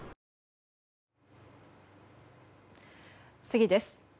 次です。